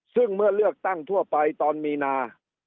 ซึ่งเมื่อเลือกตั้งทั่วไปตอนมีนา